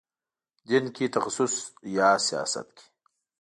دین کې تخصص یا سیاست کې.